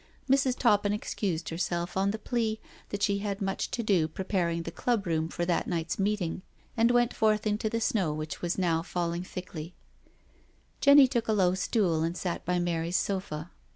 Mrs. Toppin excused herself on the plea that she had much to do preparing the club room for that night's meeting, and went forth into the snow which was now falling tiiickly, Jenny took a low stool and sat by Mary's sofa.